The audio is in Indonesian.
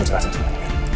gue jelasin sebentar ya